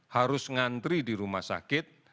harus ngantri di rumah sakit